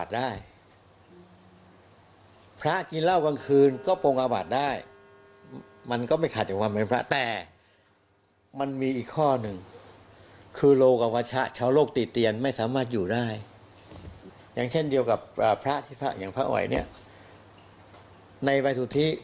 ซึ่งมันยิ่งใหญ่มากเรื่องนี้